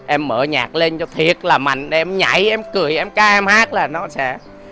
em mở nhạc lên cho thiệt là mạnh em nhảy em cười em ca em hát là nó sẽ